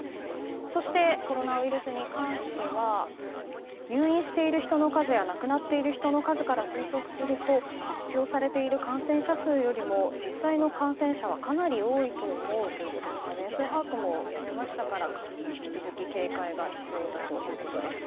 そしてコロナウイルスに関しては入院している人の数や亡くなっている人の数から推測すると発表されている感染者数よりも実際の感染者はかなり多いと思うということで全数把握もやめましたから引き続き警戒が必要だということです。